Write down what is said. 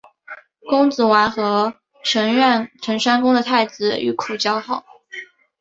公子完和陈宣公的太子御寇交好。